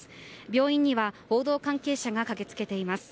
病院には報道関係者が駆けつけています。